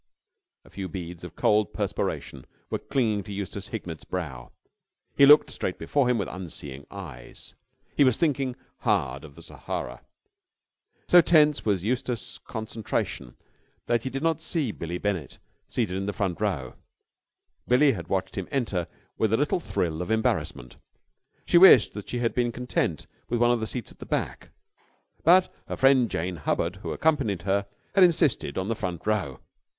A few beads of cold perspiration were clinging to Eustace Hignett's brow. He looked straight before him with unseeing eyes. He was thinking hard of the Sahara. So tense was Eustace's concentration that he did not see Billie Bennett, seated in the front row. Billie had watched him enter with a little thrill of embarrassment. She wished that she had been content with one of the seats at the back. But her friend Jane Hubbard, who accompanied her, had insisted on the front row.